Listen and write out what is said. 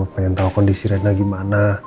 pengen tau kondisi rena gimana